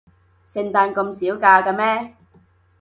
聖誕咁少假嘅咩？